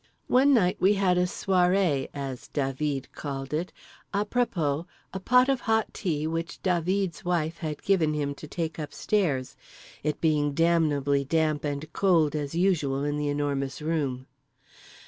One night we had a soirée, as Dah veed called it, à propos a pot of hot tea which Dah veed's wife had given him to take upstairs, it being damnably damp and cold (as usual) in The Enormous Room.